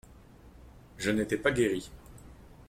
Je n'étais pas guéri.